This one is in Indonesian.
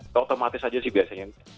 itu otomatis aja sih biasanya